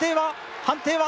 判定は？